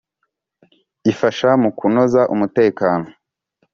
ifasha mu kunoza umutekano .